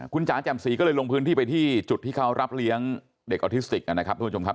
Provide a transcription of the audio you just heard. คุณจ๋าแจ่มสีก็เลยลงพื้นที่ไปที่จุดที่เขารับเลี้ยงเด็กออทิสติกนะครับทุกผู้ชมครับ